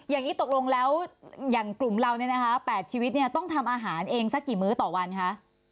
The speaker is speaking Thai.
อย่างนี้ตกลงแล้วอย่างกลุ่มเราเนี่ยนะคะ๘ชีวิตเนี่ยต้องทำอาหารเองสักกี่มื้อต่อวันคะ